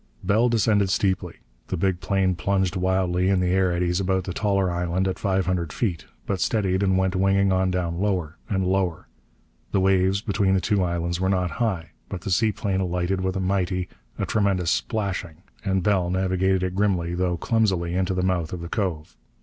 Bell descended steeply. The big plane plunged wildly in the air eddies about the taller island at five hundred feet, but steadied and went winging on down lower, and lower.... The waves between the two islands were not high, but the seaplane alighted with a mighty, a tremendous splashing, and Bell navigated it grimly though clumsily into the mouth of the cove.